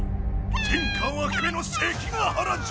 天下分け目の関ヶ原じゃ！」。